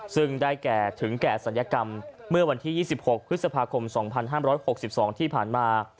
ซึ่งได้แก่ถึงแก่ศัลยกรรมเมื่อวันที่๒๖พฤษภาคม๒๕๖๒ที่ผ่านมา